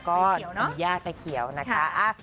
มีญาติในเขียวนะคะ